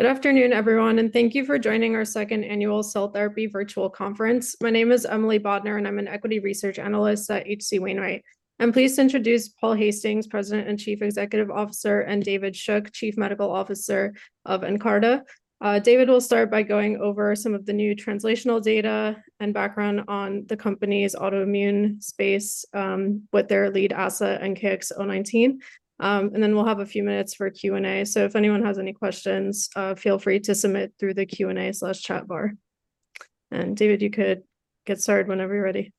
Good afternoon, everyone, and thank you for joining our second annual Cell Therapy virtual conference. My name is Emily Bodnar, and I'm an equity research analyst at H.C. Wainwright. I'm pleased to introduce Paul Hastings, President and Chief Executive Officer, and David Shook, Chief Medical Officer of Nkarta. David will start by going over some of the new translational data and background on the company's autoimmune space with their lead asset NKX-019, and then we'll have a few minutes for Q&A. So if anyone has any questions, feel free to submit through the Q&A/chat bar. And David, you could get started whenever you're ready.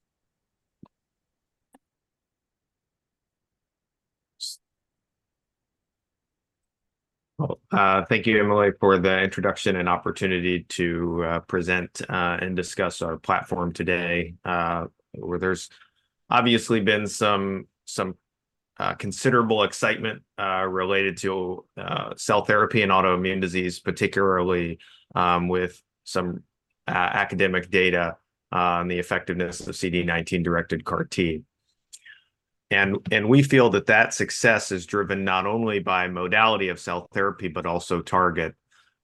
Well, thank you, Emily, for the introduction and opportunity to present and discuss our platform today, where there's obviously been some considerable excitement related to cell therapy and autoimmune disease, particularly with some academic data on the effectiveness of CD19-directed CAR-T. And we feel that that success is driven not only by modality of cell therapy but also target.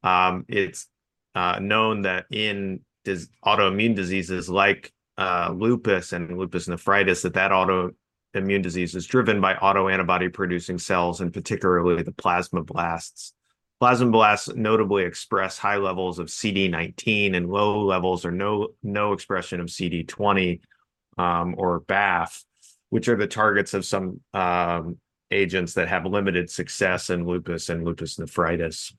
It's known that in autoimmune diseases like lupus and lupus nephritis, that that autoimmune disease is driven by autoantibody-producing cells, and particularly the plasmablasts. Plasmablasts notably express high levels of CD19 and low levels or no expression of CD20 or BAFF, which are the targets of some agents that have limited success in lupus and lupus nephritis.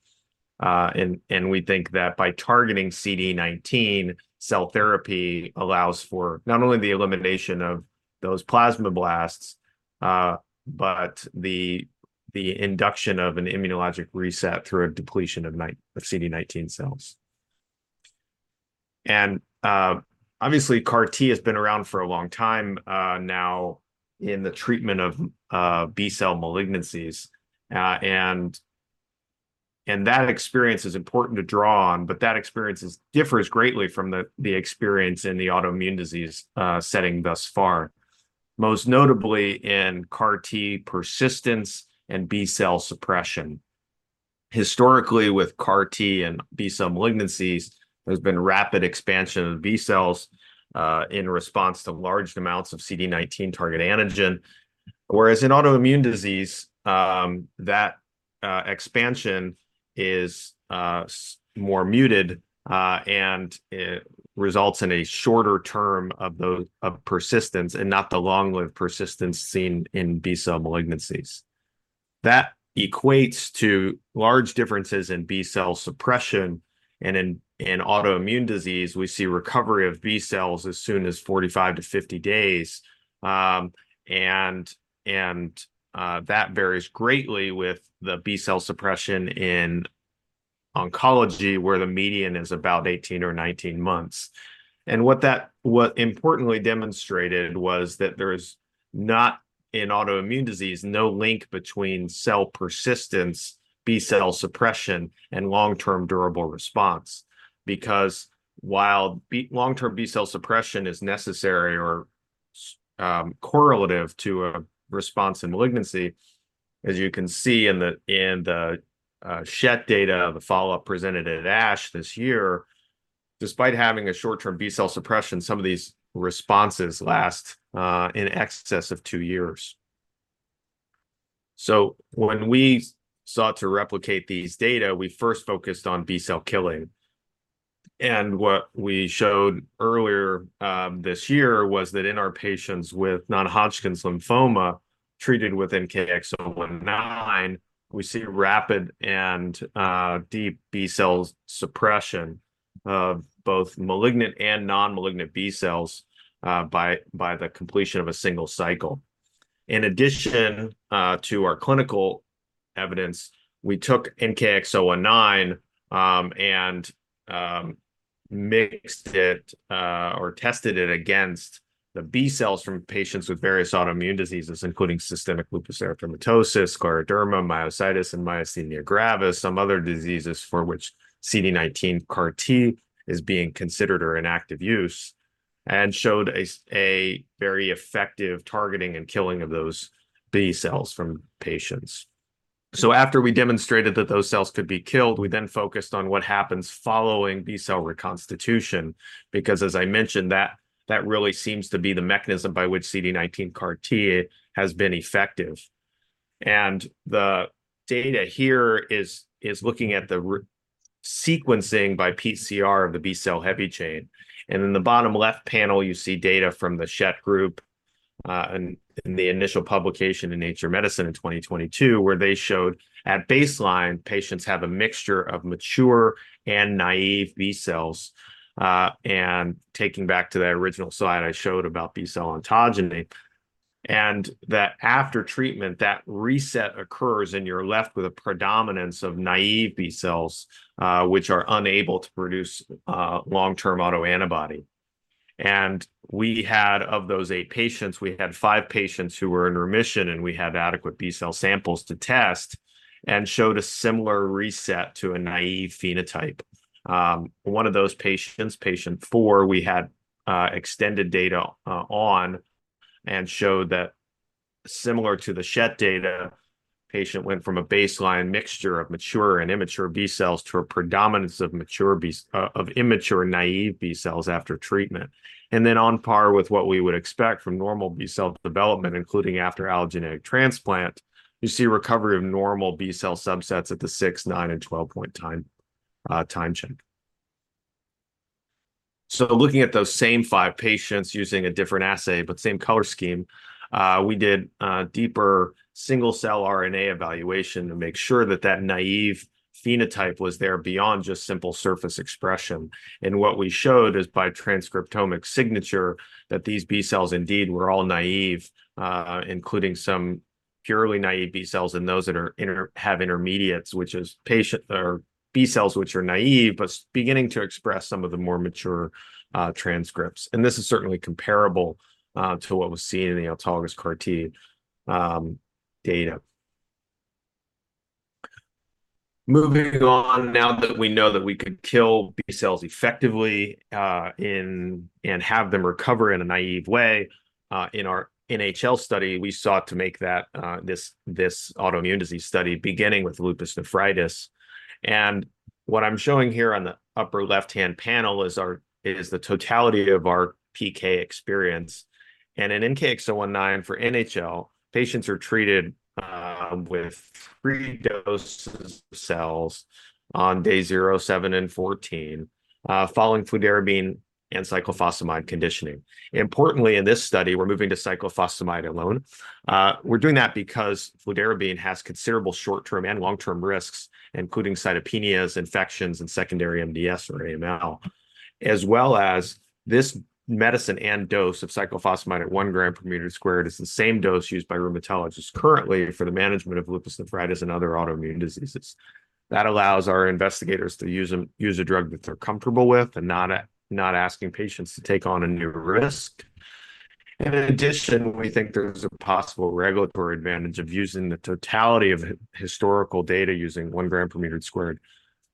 And we think that by targeting CD19, cell therapy allows for not only the elimination of those plasmablasts but the induction of an immunologic reset through a depletion of CD19 cells. And obviously, CAR-T has been around for a long time now in the treatment of B-cell malignancies, and that experience is important to draw on, but that experience differs greatly from the experience in the autoimmune disease setting thus far, most notably in CAR-T persistence and B-cell suppression. Historically, with CAR-T and B-cell malignancies, there's been rapid expansion of B-cells in response to large amounts of CD19-targeted antigen, whereas in autoimmune disease, that expansion is more muted and results in a shorter term of persistence and not the long-lived persistence seen in B-cell malignancies. That equates to large differences in B-cell suppression, and in autoimmune disease, we see recovery of B-cells as soon as 45-50 days, and that varies greatly with the B-cell suppression in oncology, where the median is about 18 or 19 months. What that importantly demonstrated was that there is not, in autoimmune disease, no link between cell persistence, B-cell suppression, and long-term durable response. Because while long-term B-cell suppression is necessary or correlative to a response in malignancy, as you can see in the Schett data of the follow-up presented at ASH this year, despite having a short-term B-cell suppression, some of these responses last in excess of two years. So when we sought to replicate these data, we first focused on B-cell killing. And what we showed earlier this year was that in our patients with Non-Hodgkin's lymphoma treated with NKX-019, we see rapid and deep B-cell suppression of both malignant and non-malignant B-cells by the completion of a single cycle. In addition to our clinical evidence, we took NKX-019 and mixed it or tested it against the B-cells from patients with various autoimmune diseases, including systemic lupus erythematosus, scleroderma, myositis, and myasthenia gravis, some other diseases for which CD19 CAR-T is being considered or in active use, and showed a very effective targeting and killing of those B-cells from patients. So after we demonstrated that those cells could be killed, we then focused on what happens following B-cell reconstitution because, as I mentioned, that really seems to be the mechanism by which CD19 CAR-T has been effective. And the data here is looking at the sequencing by PCR of the B-cell heavy chain. And in the bottom left panel, you see data from the Schett group in the initial publication in Nature Medicine in 2022, where they showed, at baseline, patients have a mixture of mature and naive B-cells. Taking back to that original slide I showed about B-cell ontogeny, and that after treatment, that reset occurs and you're left with a predominance of naive B-cells, which are unable to produce long-term autoantibody. Of those 8 patients, we had 5 patients who were in remission and we had adequate B-cell samples to test and showed a similar reset to a naive phenotype. One of those patients, patient 4, we had extended data on and showed that, similar to the Schett data, the patient went from a baseline mixture of mature and immature B-cells to a predominance of immature naive B-cells after treatment. Then, on par with what we would expect from normal B-cell development, including after allogeneic transplant, you see recovery of normal B-cell subsets at the 6, 9, and 12-point time check. Looking at those same 5 patients using a different assay but same color scheme, we did a deeper single-cell RNA evaluation to make sure that that naive phenotype was there beyond just simple surface expression. What we showed is, by transcriptomic signature, that these B-cells indeed were all naive, including some purely naive B-cells and those that have intermediates, which are B-cells which are naive but beginning to express some of the more mature transcripts. This is certainly comparable to what was seen in the autologous CAR-T data. Moving on, now that we know that we could kill B-cells effectively and have them recover in a naive way, in our NHL study, we sought to make this autoimmune disease study beginning with Lupus Nephritis. What I'm showing here on the upper left-hand panel is the totality of our PK experience. In NKX-019 for NHL, patients are treated with 3 doses of cells on days 0, 7, and 14 following fludarabine and cyclophosphamide conditioning. Importantly, in this study, we're moving to cyclophosphamide alone. We're doing that because fludarabine has considerable short-term and long-term risks, including cytopenias, infections, and secondary MDS or AML, as well as this medicine and dose of cyclophosphamide at 1 gram per meter squared is the same dose used by rheumatologists currently for the management of lupus nephritis and other autoimmune diseases. That allows our investigators to use a drug that they're comfortable with and not asking patients to take on a new risk. In addition, we think there's a possible regulatory advantage of using the totality of historical data using 1 gram per meter squared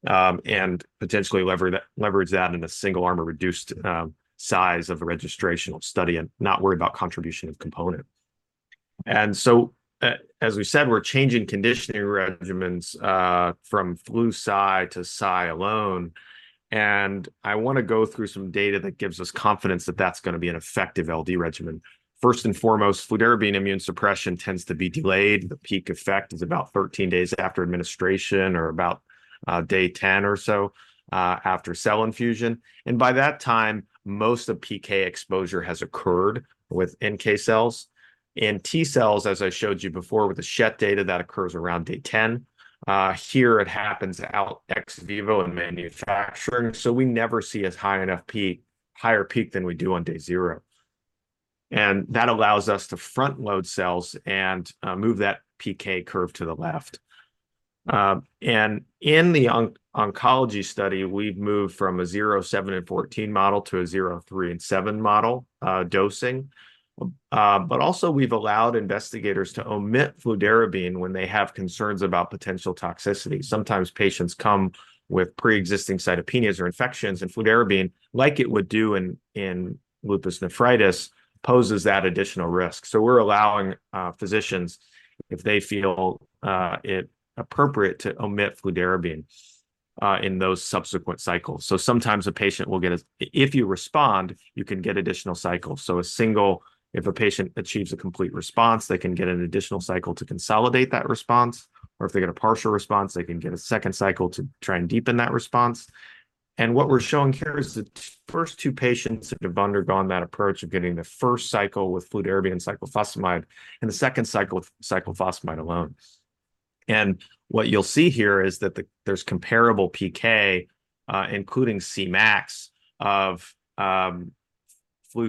and potentially leverage that in a single-arm or reduced-size registration study and not worry about contribution of component. So, as we said, we're changing conditioning regimens from flu cy to cy alone. I want to go through some data that gives us confidence that that's going to be an effective LD regimen. First and foremost, fludarabine immune suppression tends to be delayed. The peak effect is about 13 days after administration or about day 10 or so after cell infusion. By that time, most of PK exposure has occurred with NK cells. In T cells, as I showed you before with the Schett data, that occurs around day 10. Here, it happens ex vivo in manufacturing, so we never see a higher peak than we do on day zero. And that allows us to front-load cells and move that PK curve to the left. And in the oncology study, we've moved from a 0, 7, and 14 model to a 0, 3, and 7 model dosing. But also, we've allowed investigators to omit Fludarabine when they have concerns about potential toxicity. Sometimes patients come with pre-existing cytopenias or infections, and Fludarabine, like it would do in Lupus Nephritis, poses that additional risk. So we're allowing physicians, if they feel it appropriate, to omit Fludarabine in those subsequent cycles. So sometimes a patient will get a if you respond, you can get additional cycles. So if a patient achieves a complete response, they can get an additional cycle to consolidate that response. Or if they get a partial response, they can get a second cycle to try and deepen that response. What we're showing here is the first two patients that have undergone that approach of getting the first cycle with Fludarabine and Cyclophosphamide and the second cycle with Cyclophosphamide alone. What you'll see here is that there's comparable PK, including CMAX, of flu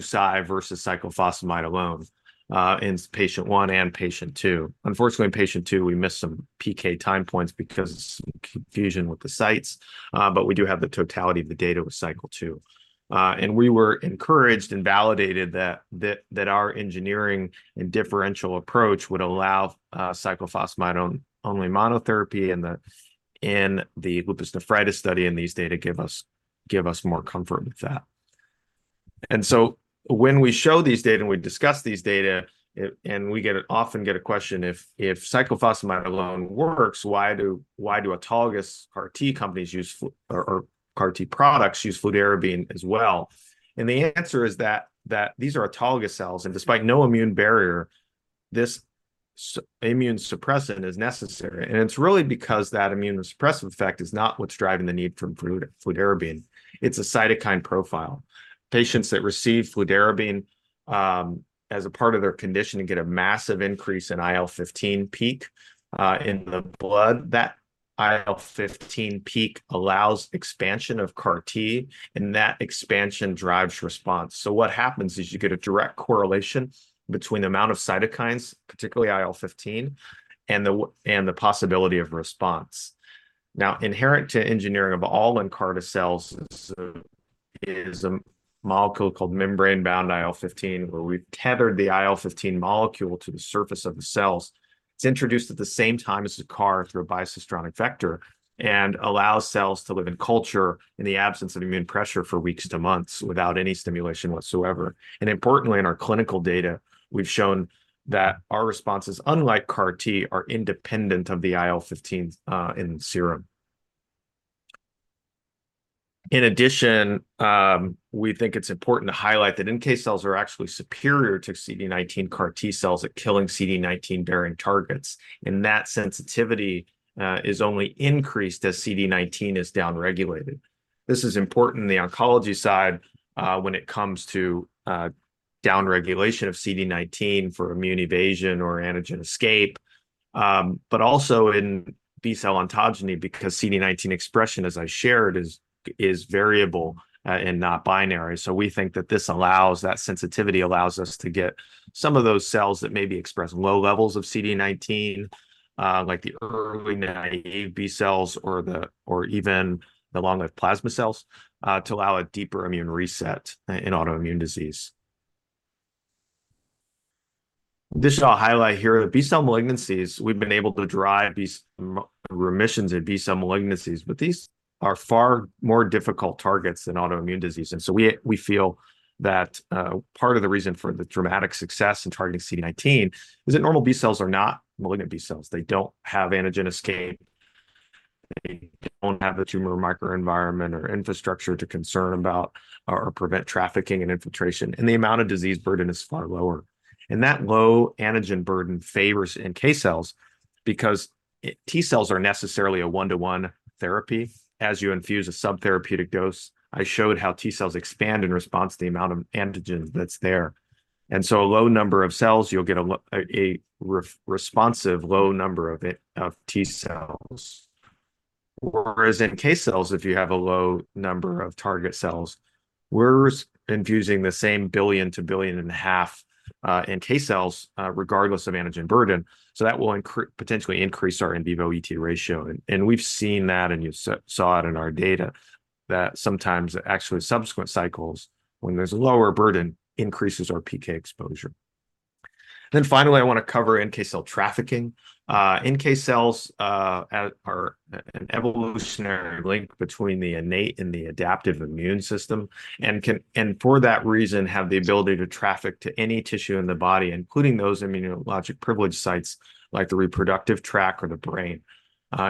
cy versus Cyclophosphamide alone in patient one and patient two. Unfortunately, in patient two, we missed some PK time points because of some confusion with the sites, but we do have the totality of the data with cycle two. We were encouraged and validated that our engineering and differential approach would allow Cyclophosphamide-only monotherapy in the Lupus Nephritis study, and these data give us more comfort with that. So when we show these data and we discuss these data, and we often get a question, "If cyclophosphamide alone works, why do autologous CAR-T companies use or CAR-T products use fludarabine as well?" And the answer is that these are autologous cells, and despite no immune barrier, this immunosuppressant is necessary. And it's really because that immunosuppressive effect is not what's driving the need for fludarabine. It's a cytokine profile. Patients that receive fludarabine as a part of their condition get a massive increase in IL-15 peak in the blood. That IL-15 peak allows expansion of CAR-T, and that expansion drives response. So what happens is you get a direct correlation between the amount of cytokines, particularly IL-15, and the possibility of response. Now, inherent to engineering of all Nkarta cells is a molecule called membrane-bound IL-15, where we've tethered the IL-15 molecule to the surface of the cells. It's introduced at the same time as the CAR through a bicistronic vector and allows cells to live in culture in the absence of immune pressure for weeks to months without any stimulation whatsoever. And importantly, in our clinical data, we've shown that our responses, unlike CAR-T, are independent of the IL-15 in serum. In addition, we think it's important to highlight that NK cells are actually superior to CD19 CAR-T cells at killing CD19-bearing targets. And that sensitivity is only increased as CD19 is downregulated. This is important on the oncology side when it comes to downregulation of CD19 for immune evasion or antigen escape, but also in B-cell autoimmunity because CD19 expression, as I shared, is variable and not binary. So we think that this sensitivity allows us to get some of those cells that maybe express low levels of CD19, like the early naive B cells or even the long-lived plasma cells, to allow a deeper immune reset in autoimmune disease. This I'll highlight here, the B-cell malignancies. We've been able to drive remissions in B-cell malignancies, but these are far more difficult targets than autoimmune disease. And so we feel that part of the reason for the dramatic success in targeting CD19 is that normal B cells are not malignant B cells. They don't have antigen escape. They don't have the tumor microenvironment or infrastructure to concern about or prevent trafficking and infiltration. And the amount of disease burden is far lower. And that low antigen burden favors NK cells because T cells are necessarily a one-to-one therapy as you infuse a subtherapeutic dose. I showed how T cells expand in response to the amount of antigen that's there. So a low number of cells, you'll get a responsive low number of T cells. Whereas in NK cells, if you have a low number of target cells, we're infusing the same 1 billion-1.5 billion NK cells regardless of antigen burden. So that will potentially increase our in vivo ET ratio. And we've seen that, and you saw it in our data, that sometimes actually subsequent cycles, when there's a lower burden, increases our PK exposure. Then finally, I want to cover NK cell trafficking. NK cells are an evolutionary link between the innate and the adaptive immune system and, for that reason, have the ability to traffic to any tissue in the body, including those immunologic privileged sites like the reproductive tract or the brain.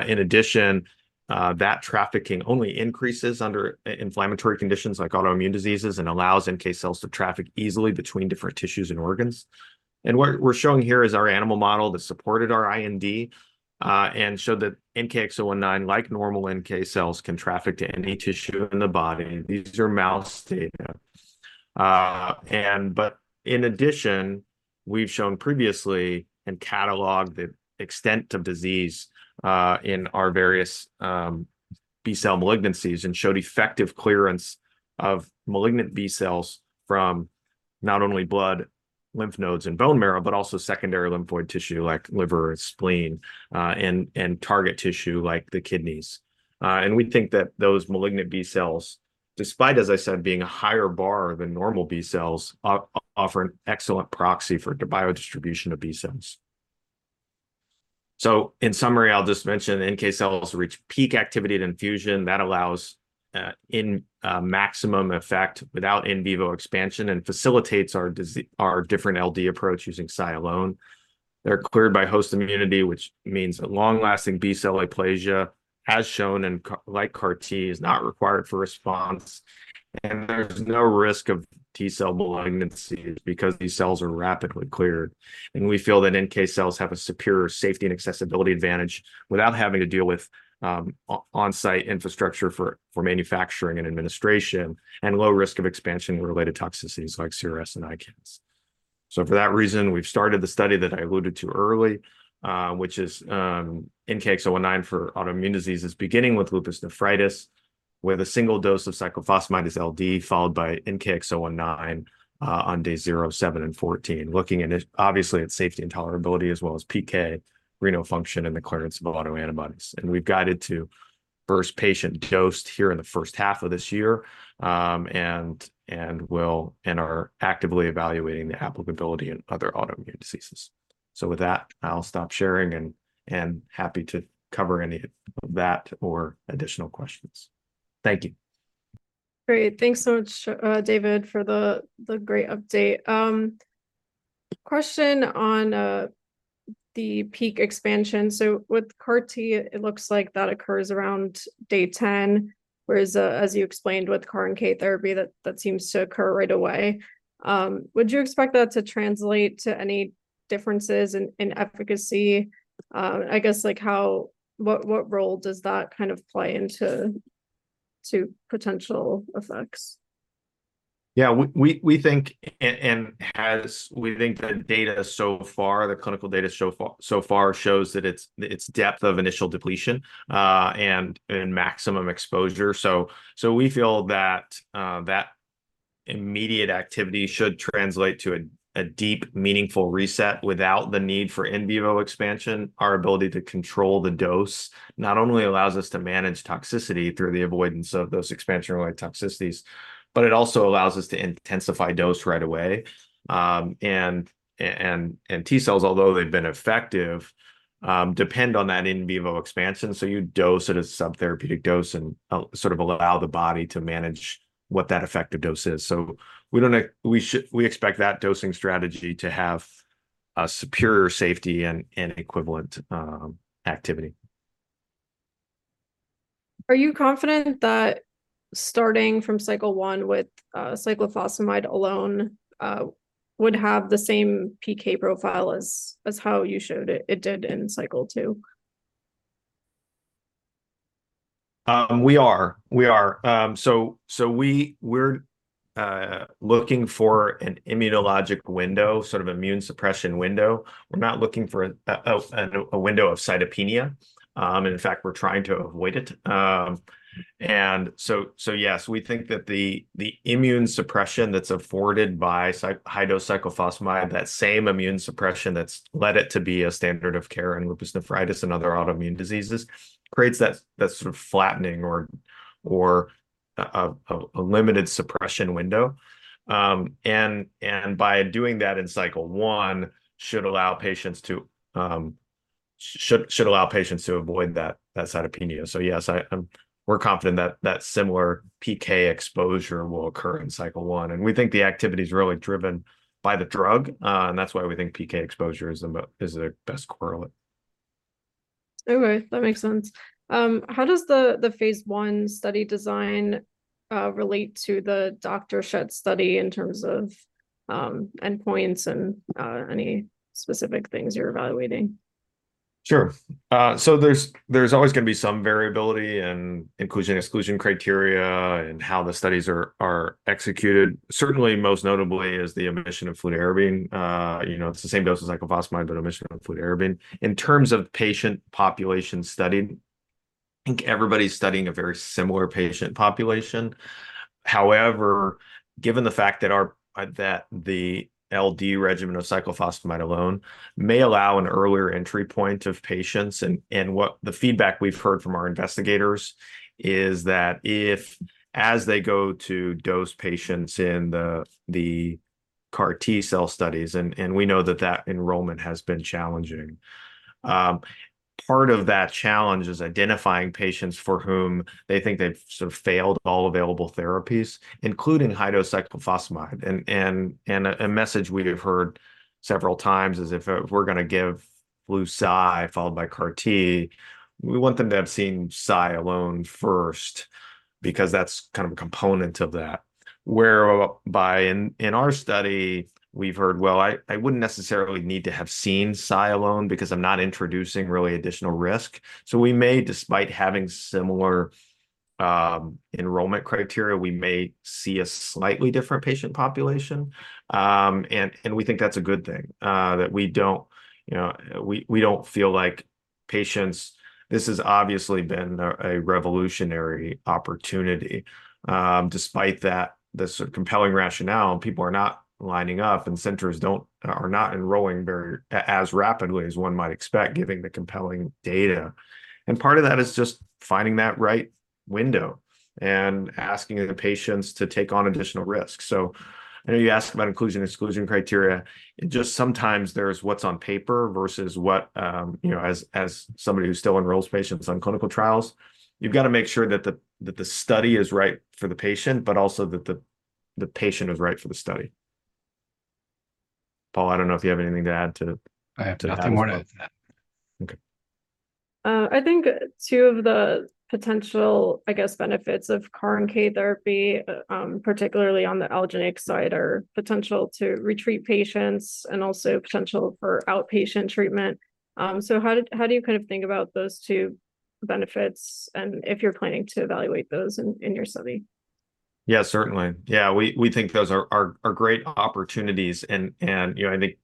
In addition, that trafficking only increases under inflammatory conditions like autoimmune diseases and allows NK cells to traffic easily between different tissues and organs. What we're showing here is our animal model that supported our IND and showed that NKX-019, like normal NK cells, can traffic to any tissue in the body. These are mouse data. In addition, we've shown previously and cataloged the extent of disease in our various B-cell malignancies and showed effective clearance of malignant B cells from not only blood, lymph nodes, and bone marrow, but also secondary lymphoid tissue like liver and spleen and target tissue like the kidneys. We think that those malignant B cells, despite, as I said, being a higher bar than normal B cells, offer an excellent proxy for the biodistribution of B cells. In summary, I'll just mention NK cells reach peak activity at infusion. That allows maximum effect without in vivo expansion and facilitates our different LD approach using cy alone. They're cleared by host immunity, which means that long-lasting B-cell aplasia, as shown and like CAR-T, is not required for response. And there's no risk of T cell malignancies because these cells are rapidly cleared. And we feel that NK cells have a superior safety and accessibility advantage without having to deal with on-site infrastructure for manufacturing and administration and low risk of expansion-related toxicities like CRS and ICANS. So for that reason, we've started the study that I alluded to early, which is NKX-019 for autoimmune diseases, beginning with lupus nephritis with a single dose of cyclophosphamide as LD followed by NKX-019 on days 0, 7, and 14, looking obviously at safety and tolerability as well as PK, renal function, and the clearance of autoantibodies. We've guided to first patient dosed here in the first half of this year and are actively evaluating the applicability in other autoimmune diseases. With that, I'll stop sharing and happy to cover any of that or additional questions. Thank you. Great. Thanks so much, David, for the great update. Question on the peak expansion. So with CAR-T, it looks like that occurs around day 10, whereas, as you explained with CAR-NK therapy, that seems to occur right away. Would you expect that to translate to any differences in efficacy? I guess what role does that kind of play into potential effects? Yeah. And we think the data so far, the clinical data so far shows that it's depth of initial depletion and maximum exposure. So we feel that that immediate activity should translate to a deep, meaningful reset without the need for in vivo expansion. Our ability to control the dose not only allows us to manage toxicity through the avoidance of those expansion-related toxicities, but it also allows us to intensify dose right away. And T cells, although they've been effective, depend on that in vivo expansion. So you dose it at a subtherapeutic dose and sort of allow the body to manage what that effective dose is. So we expect that dosing strategy to have superior safety and equivalent activity. Are you confident that starting from cycle 1 with cyclophosphamide alone would have the same PK profile as how you showed it did in cycle 2? We are. So we're looking for an immunologic window, sort of immune suppression window. We're not looking for a window of cytopenia. And in fact, we're trying to avoid it. And so yes, we think that the immune suppression that's afforded by high-dose cyclophosphamide, that same immune suppression that's led it to be a standard of care in lupus nephritis and other autoimmune diseases, creates that sort of flattening or a limited suppression window. And by doing that in cycle one, should allow patients to avoid that cytopenia. So yes, we're confident that similar PK exposure will occur in cycle one. And we think the activity is really driven by the drug. And that's why we think PK exposure is the best correlate. Okay. That makes sense. How does the phase 1 study design relate to the Dr. Schett study in terms of endpoints and any specific things you're evaluating? Sure. So there's always going to be some variability in inclusion and exclusion criteria and how the studies are executed. Certainly, most notably is the omission of fludarabine. It's the same dose of cyclophosphamide, but omission of fludarabine. In terms of patient population study, I think everybody's studying a very similar patient population. However, given the fact that the LD regimen of cyclophosphamide alone may allow an earlier entry point of patients, and the feedback we've heard from our investigators is that as they go to dose patients in the CAR-T cell studies, and we know that that enrollment has been challenging, part of that challenge is identifying patients for whom they think they've sort of failed all available therapies, including high-dose cyclophosphamide. A message we have heard several times is if we're going to give flu cy followed by CAR-T, we want them to have seen cy alone first because that's kind of a component of that. Whereas in our study, we've heard, "Well, I wouldn't necessarily need to have seen cy alone because I'm not introducing really additional risk." So despite having similar enrollment criteria, we may see a slightly different patient population. We think that's a good thing that we don't feel like patients this has obviously been a revolutionary opportunity. Despite the sort of compelling rationale, people are not lining up, and centers are not enrolling as rapidly as one might expect given the compelling data. Part of that is just finding that right window and asking the patients to take on additional risk. So I know you asked about inclusion and exclusion criteria. Just sometimes there's what's on paper versus what as somebody who still enrolls patients on clinical trials, you've got to make sure that the study is right for the patient, but also that the patient is right for the study. Paul, I don't know if you have anything to add to that? I have nothing more to add to that. Okay. I think two of the potential, I guess, benefits of CAR-NK therapy, particularly on the allogeneic side, are potential to retreat patients and also potential for outpatient treatment. So how do you kind of think about those two benefits and if you're planning to evaluate those in your study? Yeah, certainly. Yeah. We think those are great opportunities. And I think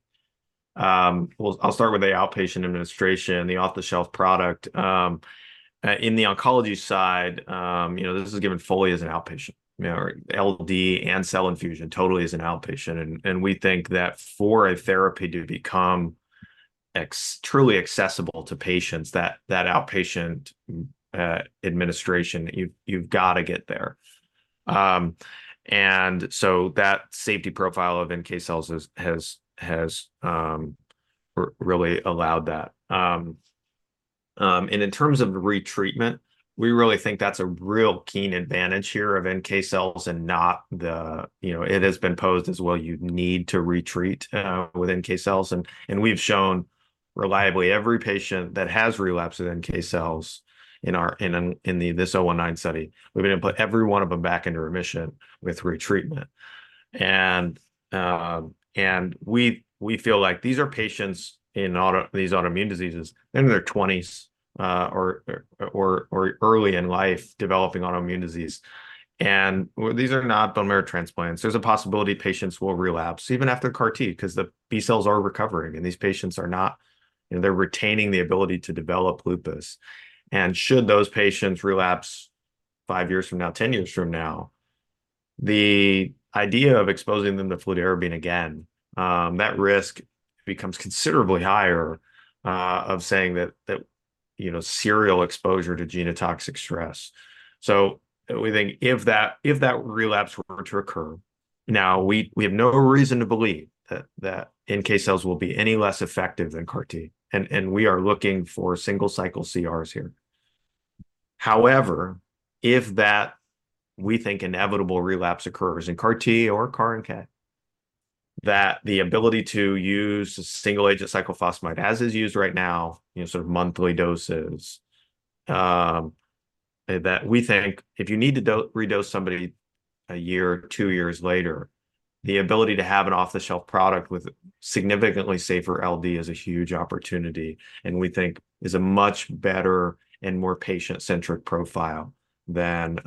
I'll start with the outpatient administration, the off-the-shelf product. In the oncology side, this is given fully as an outpatient or LD and cell infusion totally as an outpatient. And we think that for a therapy to become truly accessible to patients, that outpatient administration, you've got to get there. And so that safety profile of NK cells has really allowed that. And in terms of retreatment, we really think that's a real keen advantage here of NK cells and not as it has been posed as, "Well, you need to retreat with NK cells." And we've shown reliably every patient that has relapsed with NK cells in this 019 study, we've been able to put every one of them back into remission with retreatment. And we feel like these are patients in these autoimmune diseases. They're in their 20s or early in life developing autoimmune disease. And these are not bone marrow transplants. There's a possibility patients will relapse even after CAR-T because the B cells are recovering, and these patients are not; they're retaining the ability to develop lupus. And should those patients relapse 5 years from now, 10 years from now, the idea of exposing them to fludarabine again, that risk becomes considerably higher of saying that serial exposure to genotoxic stress. So we think if that relapse were to occur, now, we have no reason to believe that NK cells will be any less effective than CAR-T. And we are looking for single-cycle CRs here. However, if that, we think, inevitable relapse occurs in CAR-T or CAR-NK, that the ability to use single-agent Cyclophosphamide as is used right now, sort of monthly doses, that we think if you need to redose somebody a year or 2 years later, the ability to have an off-the-shelf product with significantly safer LD is a huge opportunity, and we think is a much better and more patient-centric profile than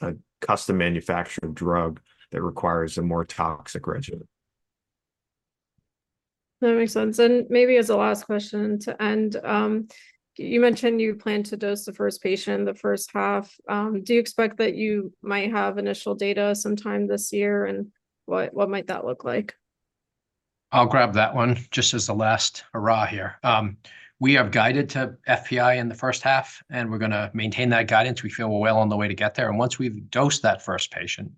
a custom-manufactured drug that requires a more toxic regimen. That makes sense. And maybe as a last question to end, you mentioned you plan to dose the first patient the first half. Do you expect that you might have initial data sometime this year, and what might that look like? I'll grab that one just as the last hurrah here. We have guided to FPI in the first half, and we're going to maintain that guidance. We feel we're well on the way to get there. Once we've dosed that first patient,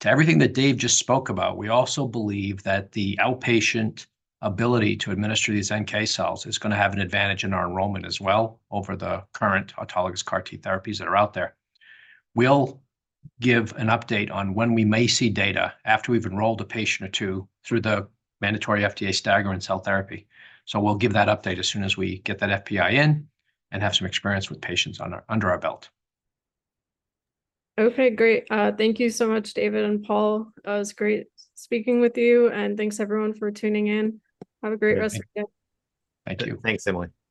to everything that Dave just spoke about, we also believe that the outpatient ability to administer these NK cells is going to have an advantage in our enrollment as well over the current autologous CAR-T therapies that are out there. We'll give an update on when we may see data after we've enrolled a patient or two through the mandatory FDA STAGR and cell therapy. We'll give that update as soon as we get that FPI in and have some experience with patients under our belt. Okay. Great. Thank you so much, David and Paul. It was great speaking with you. And thanks, everyone, for tuning in. Have a great rest of your day. Thank you. Thanks, Emily.